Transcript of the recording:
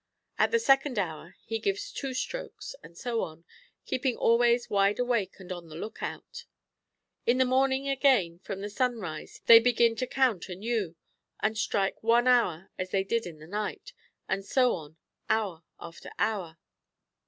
At the second hour he gives two strokes, and so on, keeping always wide awake and on the look out. In the morning again, from the sunrise, they begin to count anew, and strike one hour as they did in the night, and so on hour after hour.